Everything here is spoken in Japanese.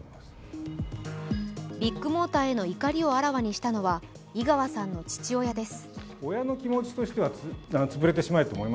ビッグモーターへの怒りをあらわにしたのは井川さんの父親です。